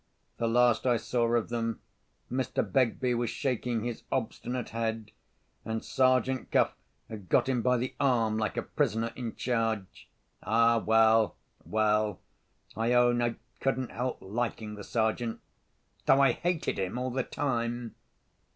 The last I saw of them, Mr. Begbie was shaking his obstinate head, and Sergeant Cuff had got him by the arm like a prisoner in charge. Ah, well! well! I own I couldn't help liking the Sergeant—though I hated him all the time.